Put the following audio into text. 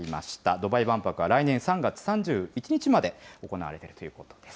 ドバイ万博は来年３月３１日まで行われているということです。